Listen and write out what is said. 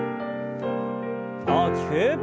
大きく。